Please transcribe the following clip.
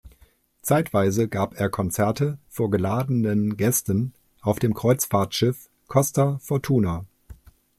Zeitweise gab er Konzerte vor geladenen Gästen auf dem Kreuzfahrtschiff Costa Fortuna.